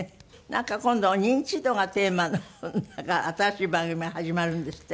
なんか今度認知度がテーマの新しい番組が始まるんですって？